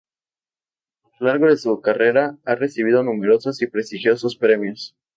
A lo largo de su carrera, ha recibido numerosos y prestigiosos premios.